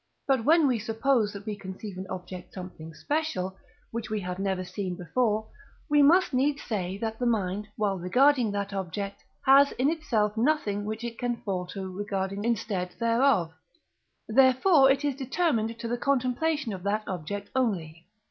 But when we suppose that we conceive an object something special, which we have never seen before, we must needs say that the mind, while regarding that object, has in itself nothing which it can fall to regarding instead thereof; therefore it is determined to the contemplation of that object only.